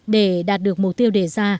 để đạt được mục tiêu đề ra